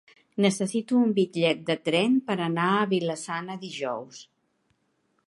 Necessito un bitllet de tren per anar a Vila-sana dijous.